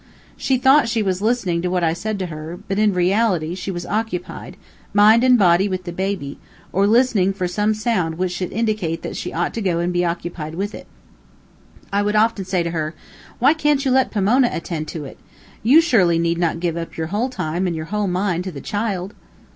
She thought she was listening to what I said to her, but, in reality, she was occupied, mind and body, with the baby, or listening for some sound which should indicate that she ought to go and be occupied with it. I would often say to her: "Why can't you let Pomona attend to it? You surely need not give up your whole time and your whole mind to the child."